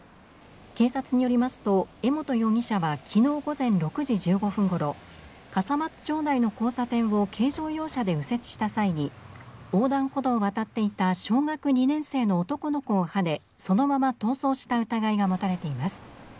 警察によりますと江本容疑者は昨日午前６時１５分ごろ、笠松町内の交差点を軽乗用車で右折した際に横断歩道を渡っていた小学２年生の男の子をはねそのまま逃走した疑いが持たれています。